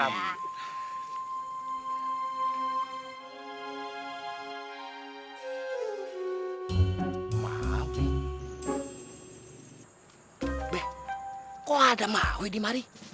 mbak be kok ada mawi di mari